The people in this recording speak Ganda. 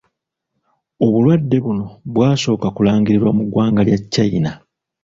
Obulwadde buno bwasooka kulangirirwa mu ggwanga lya Kyayina.